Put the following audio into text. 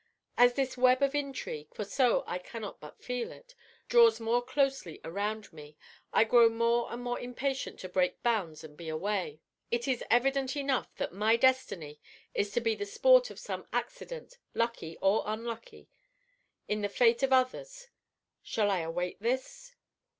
As this web of intrigue for so I cannot but feel it draws more closely around me, I grow more and more impatient to break bounds and be away! It is evident enough that my destiny is to be the sport of some accident, lucky or unlucky, in the fate of others. Shall I await this?